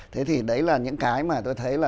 thế thì đấy là những cái mà tôi thấy